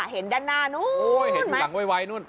เห็นด้านหน้านู้นโอ้ยเห็นหลังไวนู่น